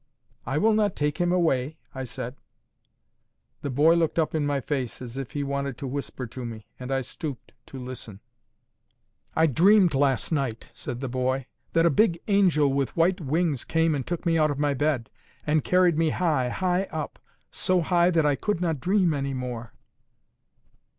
"I will not take him away," I said. The boy looked up in my face, as if he wanted to whisper to me, and I stooped to listen. "I dreamed last night," said the boy, "that a big angel with white wings came and took me out of my bed, and carried me high, high up—so high that I could not dream any more."